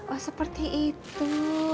oh seperti itu